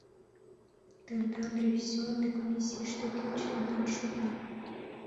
Тендан ревизионный комиссийыште кӧ членлан шога?